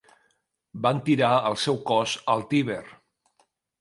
Van tirar el seu cos al Tíber.